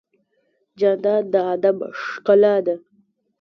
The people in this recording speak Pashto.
جانداد د ادب ښکلا ده.